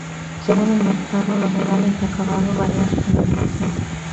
Según el mercado, los niveles de acabado varían su denominación.